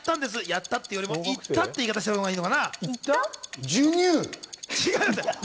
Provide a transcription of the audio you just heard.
やったっていうよりもいったって言ったほうがいいのかな？